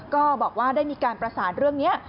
ก็บอกว่าได้มีการประสานเรื่องนี้